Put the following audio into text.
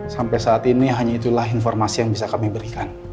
sampai saat ini hanya itulah informasi yang bisa kami berikan